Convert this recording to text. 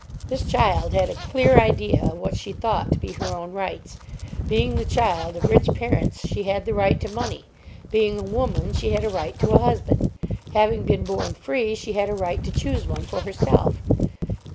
This child had a clear idea of what she thought to be her own rights. Being the child of rich parents she had the right to money. Being a woman she had a right to a husband. Having been born free she had a right to choose one for herself.